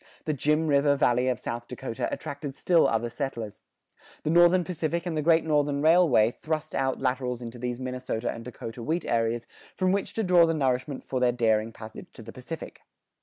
The "Jim River" Valley of South Dakota attracted still other settlers. The Northern Pacific and the Great Northern Railway thrust out laterals into these Minnesota and Dakota wheat areas from which to draw the nourishment for their daring passage to the Pacific.